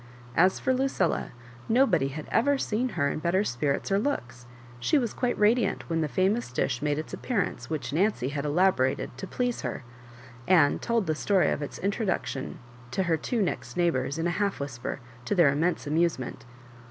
As for Lucilla, nobody had ever seen her in better spirits or looks ; she was quite radiant when the famous dish made its appearance which Nancy had elaborated to please her, and told the story of its introduction to her two next neighbours, in a half whisper, to their immense amusement.